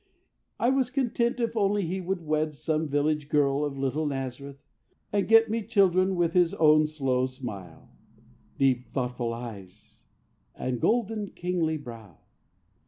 I was content if only he would wed Some village girl of little Nazareth And get me children with his own slow smile, Deep thoughtful eyes and golden kingly brow.